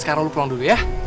sekarang lu pulang dulu ya